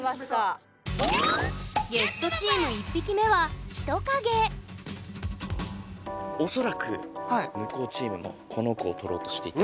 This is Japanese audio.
ゲストチーム恐らく向こうチームもこの子をとろうとしていた。